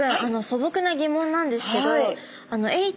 そぼくな疑問なんですけどエイ